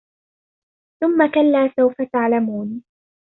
ثم كلا سوف تعلمون